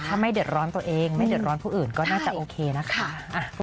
ถ้าไม่เดือดร้อนตัวเองไม่เดือดร้อนผู้อื่นก็น่าจะโอเคนะคะ